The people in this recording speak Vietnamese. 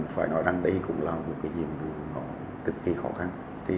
phải nói rằng đây cũng là một nhiệm vụ cực kỳ khó khăn